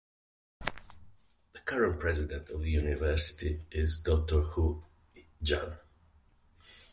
The current president of the university is Doctor Hu Jun.